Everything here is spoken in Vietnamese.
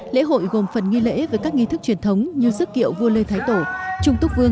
lễ hội gồm phần nghi lễ với các nghi thức truyền thống như sức kiệu vua lê thái tổ